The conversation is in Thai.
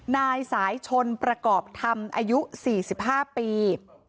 นายสายชนประกอบธรรมอายุ๔๕ปี